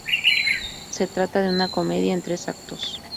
Se trata de una comedia en tres actos.